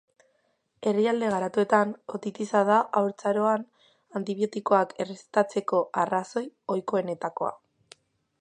Herrialde garatuetan, otitisa da haurtzaroan antibiotikoak errezetatzeko arrazoi ohikoenetakoa.